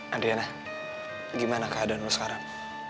adriana gimana keadaan lo sekarang